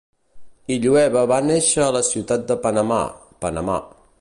Illueva va néixer a la ciutat de Panamà, Panamà.